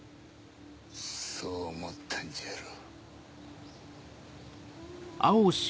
そう思ったんじゃろ。